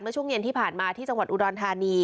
ช่วงเย็นที่ผ่านมาที่จังหวัดอุดรธานี